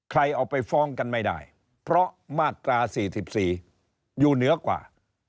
เอาไปฟ้องกันไม่ได้เพราะมาตรา๔๔อยู่เหนือกว่า